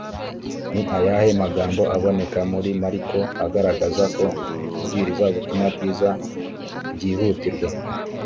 ni ayahe magambo aboneka muri mariko agaragaza ko kubwiriza ubutumwa bwiza byihutirwa?